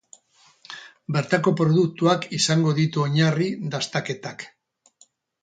Bertako produktuak izango ditu oinarri dastaketak.